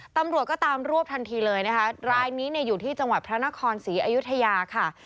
ตำรวจก็ตามรวบทันทีเลยนะคะรายนี้เนี่ยอยู่ที่จังหวัดพระนครศรีอยุธยาค่ะ